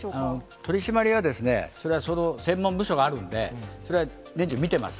取締りはですね、それは専門部署があるので、それは年中見てます。